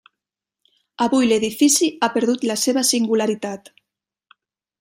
Avui l'edifici ha perdut la seva singularitat.